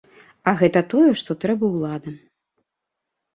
А гэта тое, што трэба ўладам.